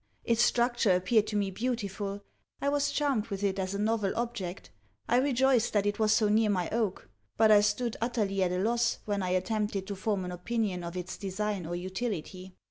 Its structure appeared to me beautiful. I was charmed with it as a novel object. I rejoiced that it was so near my oak. But I stood utterly at a loss, when I attempted to form an opinion of its design or utility.